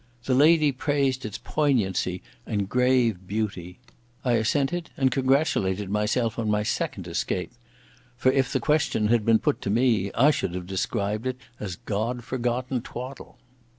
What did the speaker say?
The lady praised its "poignancy" and "grave beauty." I assented and congratulated myself on my second escape—for if the question had been put to me I should have described it as God forgotten twaddle.